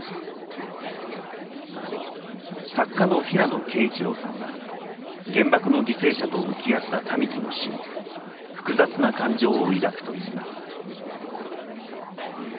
作家の平野啓一郎さんは原爆の犠牲者と向き合った民喜の死に複雑な感情を抱くと言います。